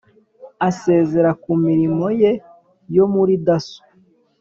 Asezera ku mirimo ye yo muri dasso